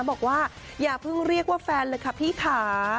บอกว่าอย่าเพิ่งเรียกว่าแฟนเลยค่ะพี่ค่ะ